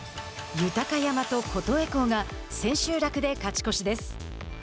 豊山と琴恵光が千秋楽で勝ち越しです。